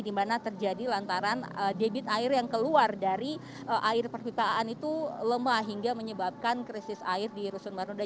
di mana terjadi lantaran debit air yang keluar dari air perpipaan itu lemah hingga menyebabkan krisis air di rusun marunda